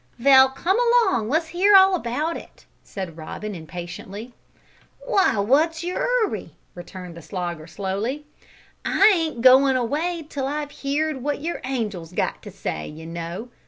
"Vell, come along, let's hear all about it," said Robin impatiently. "Wy, wot's all your 'urry?" returned the Slogger slowly; "I ain't goin' away till I've heerd wot your angel's got to say, you know.